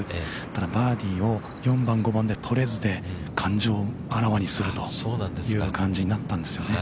ただ、バーディーを４番、５番で取れず、感情をあらわにするという感じになったんですよね。